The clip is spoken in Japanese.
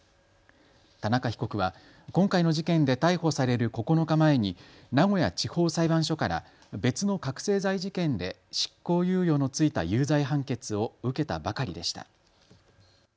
田中被告は今回の事件で逮捕される９日前に名古屋地方裁判所から別の覚醒剤事件で執行猶予の付いた有罪判決を受けたばかりでした。